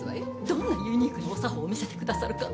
どんなユニークなお作法を見せてくださるか。